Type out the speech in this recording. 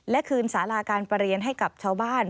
และคืนสาราการประเรียนให้กับชาวบ้าน